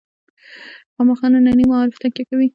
خامخا ننني معارف تکیه وکوي.